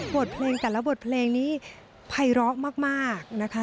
บทเพลงกันแล้วบทเพลงนี้ไพร้ร้องมากนะคะ